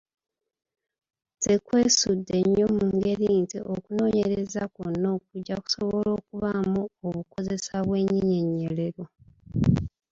Tekwesudde nnyo mu ngeri nti okunoonyereza kwonna okuggya kusobola okubaamu obukozesa bw’ennyinyonnyolero.